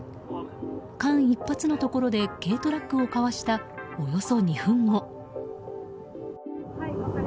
間一髪のところで軽トラックをかわしたおよそ２分後。